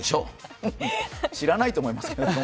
知らないと思いますけどね。